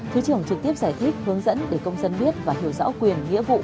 thứ trưởng trực tiếp giải thích hướng dẫn để công dân biết và hiểu rõ quyền nghĩa vụ